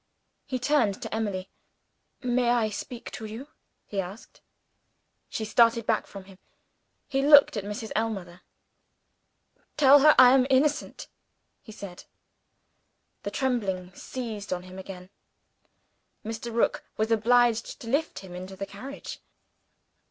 He turned to Emily. "May I speak to you?" he asked. She started back from him. He looked at Mrs. Ellmother. "Tell her I am innocent," he said. The trembling seized on him again. Mr. Rook was obliged to lift him into the carriage.